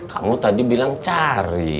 kamu tadi bilang cari